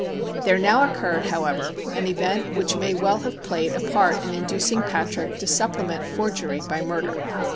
There now occurred, however, an event which may well have played a part in inducing Patrick to supplement forgery by murder.